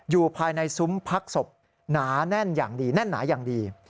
อยู่ภายในซุ้มพักศพหนาแน่นอย่างดีแน่นหนาอย่างดี